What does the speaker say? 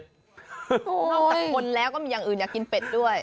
นอกจากคนแล้วก็มีอย่างอื่นอยากกินเป็ดด้วย